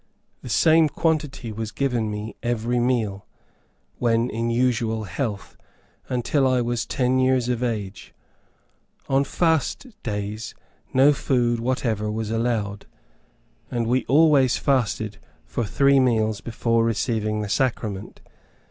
The same quantity was given me every meal, when in usual health, until I was ten years of age. On fast days, no food whatever was allowed; and we always fasted for three meals before receiving the sacrament.